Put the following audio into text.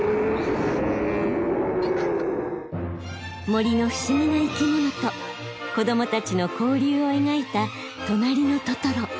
森の不思議な生き物と子どもたちの交流を描いた「となりのトトロ」。